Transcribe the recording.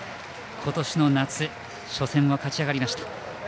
今年の夏初戦を勝ち上がりました。